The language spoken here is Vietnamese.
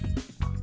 sống với mọi người